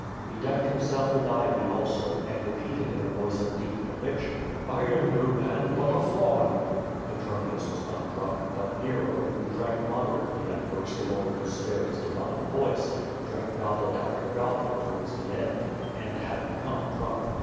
He decked himself with ivy also, and repeated in a voice of deep conviction: *^I am no man, but a faun." Petronius was not drunk, but Nero, who drank moderately at first in order to spare his divine voice, drank goblet after goblet towards the end, and had become drunk.